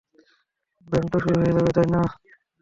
Band তো শুরু হয়ে যাবে, তাই না?